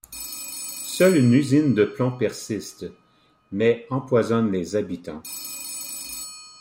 Seule une usine de plomb persiste, mais empoisonne les habitants.